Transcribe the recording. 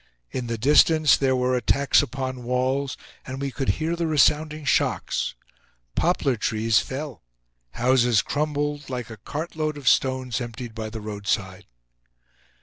In the distance there were attacks upon walls, and we could hear the resounding shocks. Poplar trees fell, houses crumbled, like a cartload of stones emptied by the roadside.